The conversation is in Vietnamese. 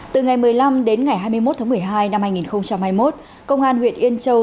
từ ngày một mươi năm đến ngày hai mươi một tháng một mươi hai năm hai nghìn hai mươi một công an huyện yên châu